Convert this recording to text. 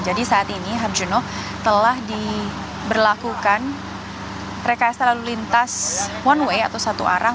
jadi saat ini harjina telah diberlakukan rekayasa lalu lintas one way atau satu arah